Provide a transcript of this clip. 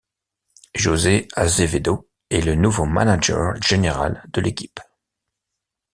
José Azevedo est le nouveau manager général de l'équipe.